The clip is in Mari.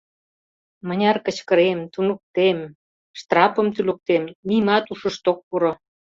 Мыняр кычкырем, туныктем, штрапым тӱлыктем — нимат ушышт ок пуро.